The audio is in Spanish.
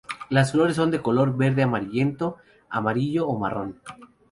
Las flores son de color verde amarillento, amarillo o marrón.